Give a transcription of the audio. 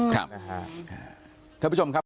ท่านผู้ชมครับ